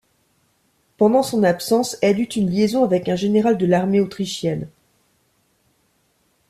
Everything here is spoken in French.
Pendant son absence, elle eut une liaison avec un général de l'armée autrichienne.